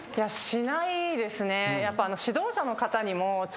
しないですね。